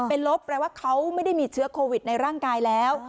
เป็นลบแปลว่าเขาไม่ได้มีเชื้อโควิดในร่างกายแล้ว